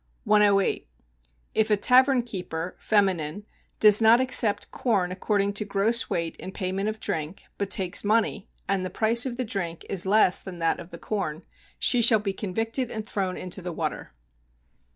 108. If a tavern keeper [feminine] does not accept corn according to gross weight in payment of drink, but takes money, and the price of the drink is less than that of the corn, she shall be convicted and thrown into the water.